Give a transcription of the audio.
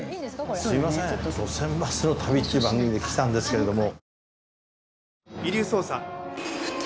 『路線バスの旅』っていう番組で来たんですけれども。